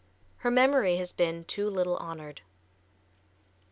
Her memory has been too little honored.